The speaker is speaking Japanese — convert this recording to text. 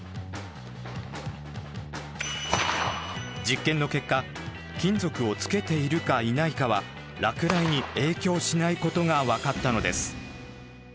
実験の結果金属をつけているかいないかは落雷に影響しないことが分かったのです。